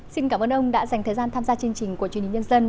xin cảm ơn ông đã dành thời gian tham gia chương trình của chuyên nhìn nhân dân